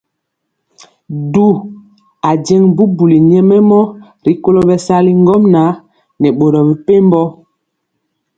Du ajeŋg bubuli nyɛmemɔ rikolo bɛsali ŋgomnaŋ nɛ boro mepempɔ.